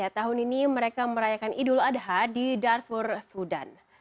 tahun ini mereka merayakan idul adha di darfur sudan